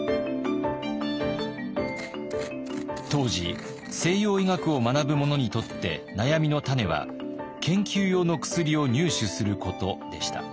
当時西洋医学を学ぶ者にとって悩みの種は研究用の薬を入手することでした。